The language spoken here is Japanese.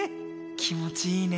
気持ちいいね。